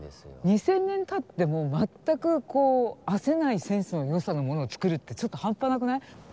２千年たっても全くあせないセンスのよさのものを作るってちょっと半端なくない？